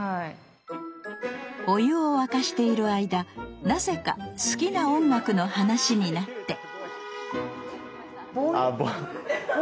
お湯を沸かしている間なぜか好きな音楽の話になってＢＯＷＹ？